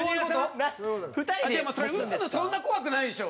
でもそれ撃つのそんな怖くないでしょ。